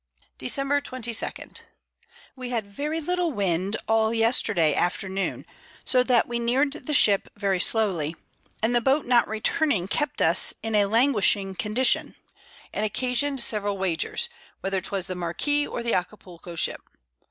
Dec. 22. We had very little Wind all Yesterday Afternoon; so that we near'd the Ship very slowly, and the Boat not returning kept us in a languishing Condition, and occasion'd several Wagers, whether 'twas the Marquiss or the Acapulco Ship.